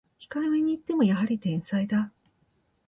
控えめに言ってもやはり天才だ